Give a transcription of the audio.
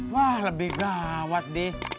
wah lebih gawat di